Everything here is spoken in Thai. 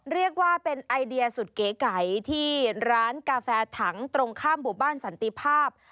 เรียกว่าเป็นไอเดียสุดเก๋ไก่ที่ร้านกาแฟถังตรงข้ามหมู่บ้านสันติภาพ